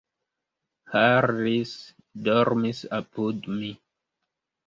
Harris dormis apud mi.